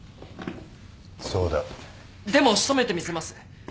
でも仕留めてみせます。